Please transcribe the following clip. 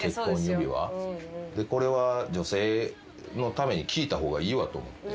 でこれは女性のために聞いた方がいいわと思って。